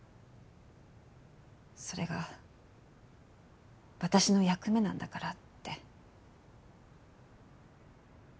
それが私の役目なんだからって。